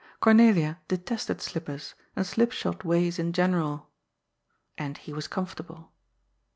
Cornelia detested slippers, and slipshod ways in general. And he was comfortable.